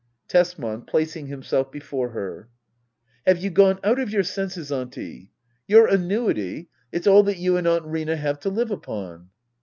Tesman. [Placing himself before her,] Have you gone out of your senses. Auntie ! Your annuity — it's all that you and Aunt Rina have to live upon.